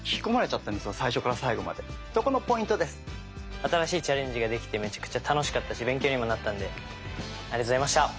新しいチャレンジができてめちゃくちゃ楽しかったし勉強にもなったんでありがとうございました。